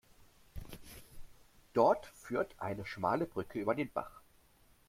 Dort führt eine schmale Brücke über den Bach.